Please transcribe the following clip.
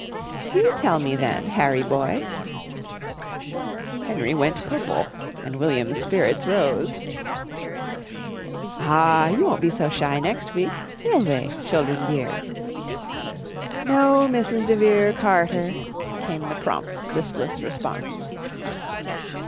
"You tell me then, Harry boy." Henry went purple and William's spirits rose. "Ah, you won't be so shy next week, will they, children dear?" "No, Mrs. de Vere Carter," came the prompt, listless response.